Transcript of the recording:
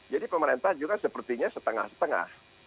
jadi pemerintah juga sepertinya setengah setengah